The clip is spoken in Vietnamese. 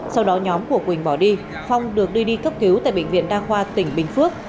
sau đó nhóm của quỳnh bỏ đi phong được đưa đi cấp cứu tại bệnh viện đa khoa tỉnh bình phước